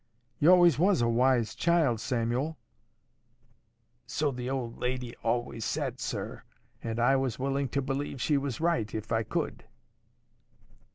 You always was a wise child, Samuel.' So the old lady always said, sir. And I was willing to believe she was right, if I could.